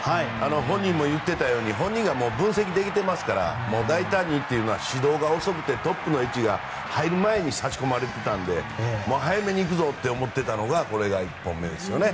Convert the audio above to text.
本人も言っていたように本人が分析できてますからもう大胆にというのは始動が遅くてトップの位置が入る前に差し込まれていたので早めに行くぞと思っていたのがこれが１本目ですよね。